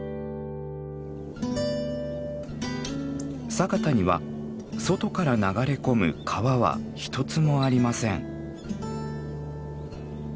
佐潟には外から流れ込む川は一つもありません。